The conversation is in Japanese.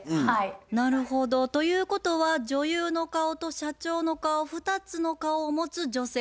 なるほど。ということは女優の顔と社長の顔２つの顔を持つ女性ということですね。